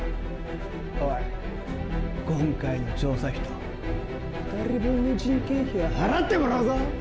おい、今回の調査費と２人分の人件費は払ってもらうぞ。